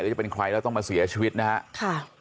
จะเป็นใครแล้วต้องมาเสียชีวิตนะครับ